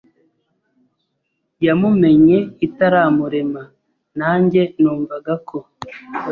yamumenye itaramurema.” nanjye numvagako